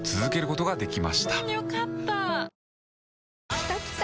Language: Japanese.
きたきた！